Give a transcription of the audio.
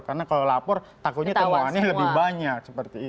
karena kalau lapor takutnya temuan nya lebih banyak